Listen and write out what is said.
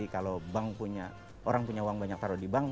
kalau bank punya orang punya uang banyak taruh di bank